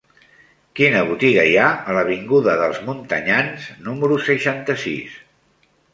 Quina botiga hi ha a l'avinguda dels Montanyans número seixanta-sis?